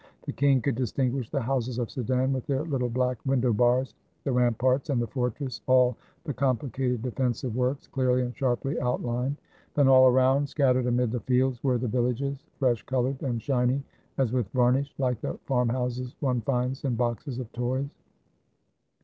The king could distinguish the houses of Sedan, with their little black window bars, the ramparts and the fortress, all the complicated defensive works, clearly and sharply outlined. Then all around, scattered amid the fields, were the villages, fresh colored and shiny as with var nish, like the farmhouses one finds in boxes of toys.